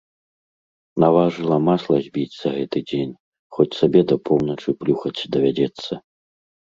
Наважыла масла збіць за гэты дзень, хоць сабе да поўначы плюхаць давядзецца.